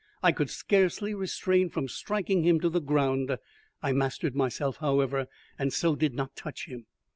I could scarcely restrain from striking him to the ground. I mastered myself, however, and so did not touch him.